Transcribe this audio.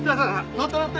乗って乗って。